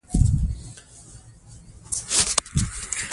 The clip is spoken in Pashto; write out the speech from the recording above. موږ بايد د خپلو نيکونو ژبه ژوندۍ وساتو.